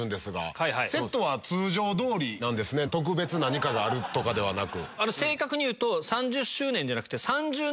特別何かがあるとかではなく。